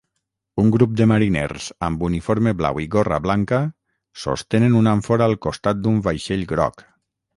Un grup de mariners amb uniforme blau i gorra blanca sostenen una àmfora al costat d'un vaixell groc.